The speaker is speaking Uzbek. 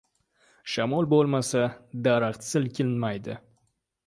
• Shamol bo‘lmasa, daraxt silkinmaydi.